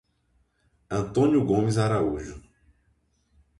Antônio Gomes Araújo